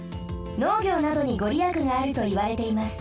農業などにごりやくがあるといわれています。